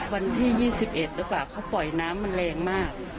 วันที่๒๑กว่าเขาปล่อยน้ำมันแรงมาก